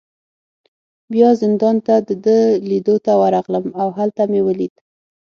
بیا زندان ته د ده لیدو ته ورغلم، او هلته مې ولید.